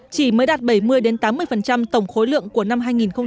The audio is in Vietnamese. chỉ mới đạt bảy mươi tám mươi tổng khối lượng của năm hai nghìn một mươi tám